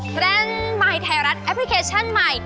มาให้ไทยรัฐแอปพลิเคชั่นใหม่